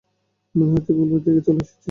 মনেহচ্ছে ভুলভাল জায়গায় চলে এসেছি।